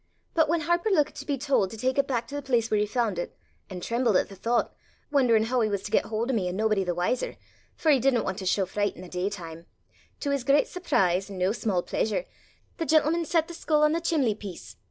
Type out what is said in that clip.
But whan Harper lookit to be told to tak it back to the place where he faund it, an' trembled at the thoucht, won'erin' hoo he was to get haud o' me an' naebody the wiser, for he didna want to show fricht i' the day time, to his grit surprise an' no sma' pleesur, the gentleman set the skull on the chimley piece.